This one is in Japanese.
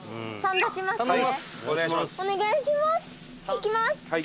いきます！